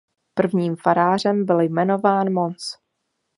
Prvním farářem byl jmenován Mons.